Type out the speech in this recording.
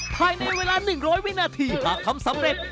ภายในเวลา๑๐๐วินาทีหากทำสำเร็จ